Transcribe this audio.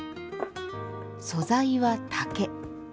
素材は竹。